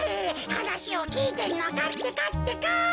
はなしをきいてんのかってかってか。